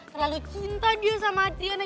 terlalu cinta dia sama adriana